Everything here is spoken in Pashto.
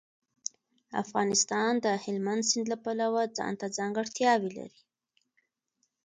افغانستان د هلمند سیند له پلوه ځانته ځانګړتیاوې لري.